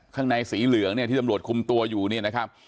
ข้างในสีเหลืองเนี่ยที่ตำรวจคุมตัวอยู่เนี่ยนะครับ